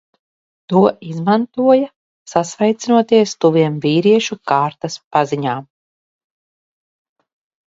To izmantoja, sasveicinoties tuviem vīriešu kārtas paziņām.